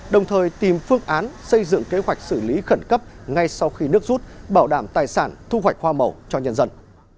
đồng thời tìm phương án xây dựng kế hoạch xử lý khẩn cấp ngay sau khi nước rút bảo đảm tài sản thu hoạch hoa màu cho nhân dân